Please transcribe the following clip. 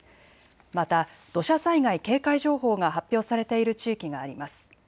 また土砂災害警戒情報が発表されている地域があります。